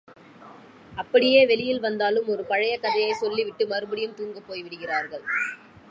அப்படியே வெளியில் வந்தாலும் ஒரு பழைய கதையைச் சொல்லிவிட்டு மறுபடியும் தூங்கப் போய்விடுகிறார்கள்.